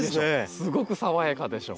すごく爽やかでしょ。